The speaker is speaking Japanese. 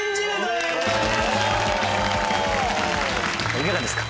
いかがですか？